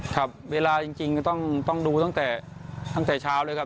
ครับเวลาจริงต้องดูตั้งแต่เช้าเลยครับ